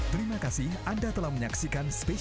terima kasih anda telah menyaksikan spesial